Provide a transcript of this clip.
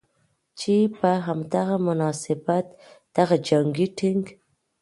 چې په هم دغه مناسبت دغه جنګي ټېنک